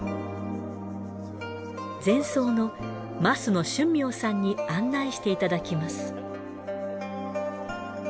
禅僧の枡野俊明さんに案内していただきます。